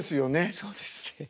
そうですね。